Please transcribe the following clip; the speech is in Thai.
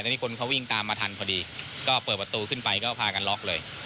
นี่คนเขาวิ่งตามมาทันพอดีก็เปิดประตูขึ้นไปก็พากันล็อกเลย